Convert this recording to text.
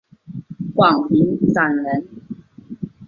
广平酂人。